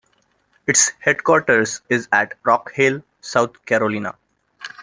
Its headquarters is at Rock Hill, South Carolina.